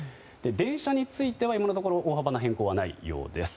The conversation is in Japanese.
電車については今のところ大幅な変更はないようです。